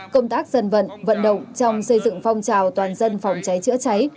công tác dân vận vận động trong xây dựng phong trào toàn dân phòng cháy chữa cháy